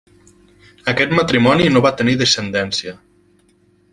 Aquest matrimoni no va tenir descendència.